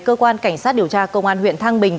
cơ quan cảnh sát điều tra công an huyện thăng bình